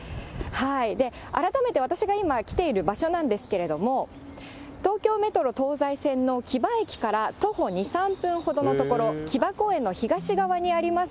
改めて私が今来ている場所なんですけれども、東京メトロ東西線の木場駅から徒歩２、３分の所、木場公園の東側にあります